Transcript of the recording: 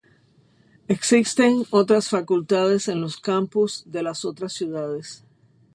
Existen otras facultades en los campus de las otras ciudades.